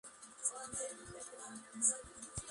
Los detectives ven fotos y recortes de prensa en la pared.